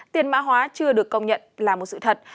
tiền mã hóa chưa được công nhận là một sự thật